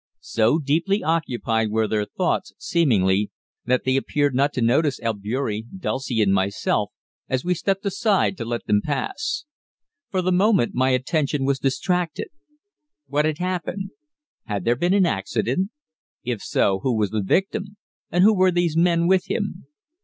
So deeply occupied were their thoughts, seemingly, that they appeared not to notice Albeury, Dulcie and myself as we stepped aside to let them pass. For the moment my attention was distracted. What had happened? Had there been an accident? If so, who was the victim, and who were these men with him?